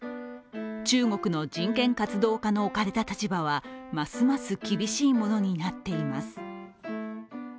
中国の人権活動家の置かれた立場はますます厳しいものになっています。